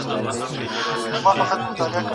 هغه بصیرت چي پوهان یې لري رڼا ده.